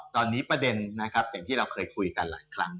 ตอนนี้ประเด็นนะครับอย่างที่เราเคยคุยกันหลายครั้ง